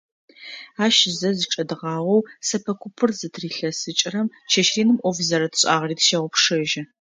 Ащ зэ зычӏэдгъаоу, сэпэ купыр зытырилъэсыкӏырэм, чэщ реным ӏоф зэрэтшӏагъэри тщегъэгъупшэжьы.